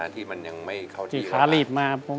ที่มันยังไม่เข้าที่แล้วครับที่ขาหลีบมาครับ